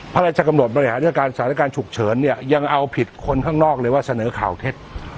พระราชกำหนดบริหารจัดการสถานการณ์ฉุกเฉินเนี่ยยังเอาผิดคนข้างนอกเลยว่าเสนอข่าวเท็จ